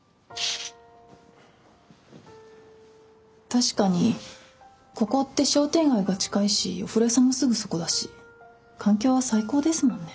確かにここって商店街が近いしお風呂屋さんもすぐそこだし環境は最高ですもんね。